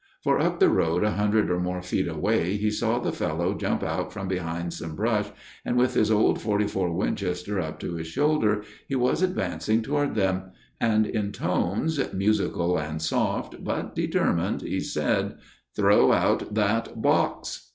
For up the road a hundred or more feet away he saw the fellow jump out from behind some brush and, with his old 44 Winchester up to his shoulder, he was advancing toward them. And in tones, musical and soft but determined, he said: "Throw out that box!"